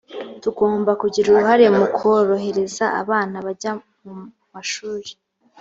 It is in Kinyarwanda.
tugomba kugira uruhare mu kurohereza abana kujya mu mashuli